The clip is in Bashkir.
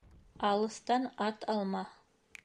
Алыҫтан ат алма